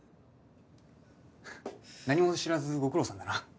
何も知らずご苦労さんだな。